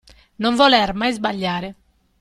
Non voler mai sbagliare.